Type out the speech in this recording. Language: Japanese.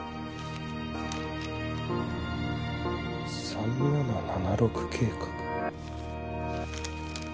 「３７７６計画」？